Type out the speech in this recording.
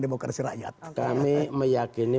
demokrasi rakyat kami meyakini